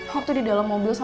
kamu tuh memang bisa